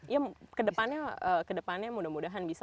ya kedepannya mudah mudahan bisa